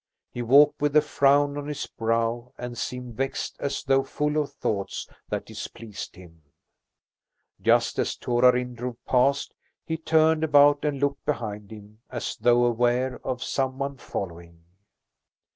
He walked with a frown on his brow and seemed vexed, as though full of thoughts that displeased him. Just as Torarin drove past, he turned about and looked behind him as though aware of someone following.